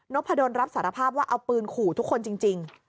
พะดนรับสารภาพว่าเอาปืนขู่ทุกคนจริง